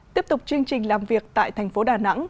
tiếp tục chương trình làm việc tại thành phố đà nẵng